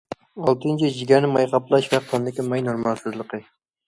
ئالتىنچى، جىگەرنى ماي قاپلاش ۋە قاندىكى ماي نورمالسىزلىقى.